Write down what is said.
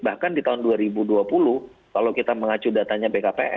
bahkan di tahun dua ribu dua puluh kalau kita mengacu datanya bkpn